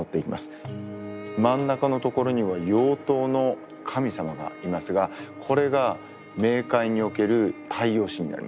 真ん中のところには羊頭の神様がいますがこれが冥界における太陽神になります。